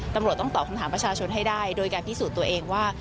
ตำรวจต้องตอบคำถามประชาชนให้ได้โดยการพิสูจน์ตัวเองว่า